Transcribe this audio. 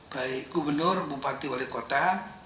baik gubernur bupati wali kota